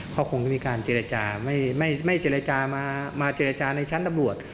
เขาคงจะมีการเจรจาไม่เจรจามาเจรจาในชั้นตำรวจ